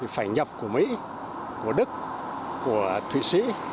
phải nhập của mỹ của đức của thụy sĩ